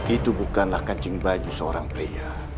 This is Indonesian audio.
itu bukanlah kancing baju seorang pria